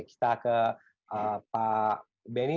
kita ke pak benny